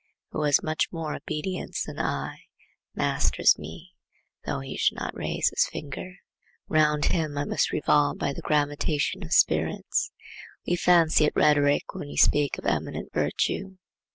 Who has more obedience than I masters me, though he should not raise his finger. Round him I must revolve by the gravitation of spirits. We fancy it rhetoric when we speak of eminent virtue.